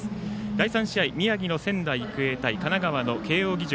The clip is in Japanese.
第３試合、宮城の仙台育英対神奈川の慶応義塾。